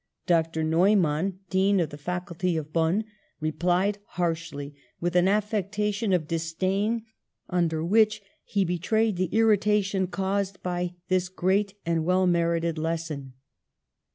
Doctor Neumann, Dean of the Faculty of Bonn, replied harshly, with an affectation of disdain, under which he betrayed the irritation caused by this great and well merited lesson.